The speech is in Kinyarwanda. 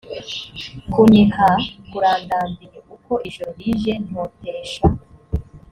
kuniha kurandambiye uko ijoro rije ntotesha